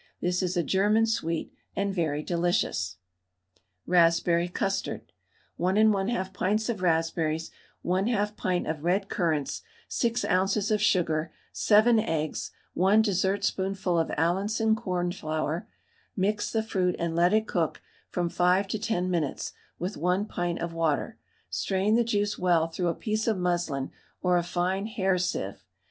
This is a German sweet, and very delicious. RASPBERRY CUSTARD. 1 1/2 pints of raspberries, 1/2 pint of red currants, 6 oz. of sugar, 7 eggs, 1 dessertspoonful of Allinson cornflour. Mix the fruit, and let it cook from 5 to 10 minutes with 1 pint of water; strain the juice well through a piece of muslin or a fine hair sieve.